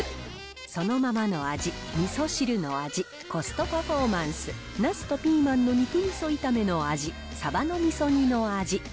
そのままの味、みそ汁の味、コストパフォーマンス、ナスとピーマンの肉みそ炒めの味、サバのみそ煮の味。